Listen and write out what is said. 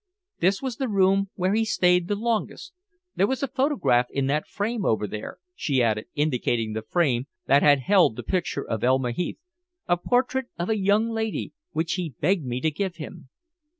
"This was the room where he stayed the longest. There was a photograph in that frame over there," she added, indicating the frame that had held the picture of Elma Heath, "a portrait of a young lady, which he begged me to give him."